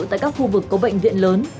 tại các khu vực có bệnh viện lớn